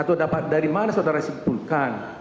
atau dapat dari mana saudara simpulkan